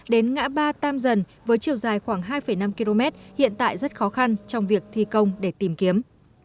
đến ngã ba tam dần với chiều dài khoảng hai năm km hiện tại rất khó khăn trong việc thi công để tìm kiếm